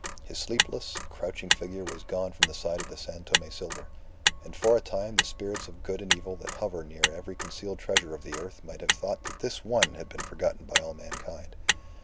His sleepless, crouching figure was gone from the side of the San Tome silver; and for a time the spirits of good and evil that hover near every concealed treasure of the earth might have thought that this one had been forgotten by all mankind.